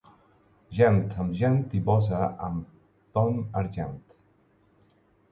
Gent amb gent i bossa amb ton argent.